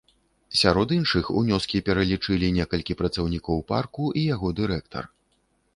Сярод іншых, унёскі пералічылі некалькі працаўнікоў парку і яго дырэктар.